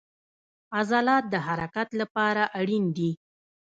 عضلات د حرکت لپاره اړین دي